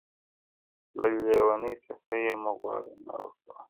o له لېوني څخه ئې مه غواړه، مې ورکوه!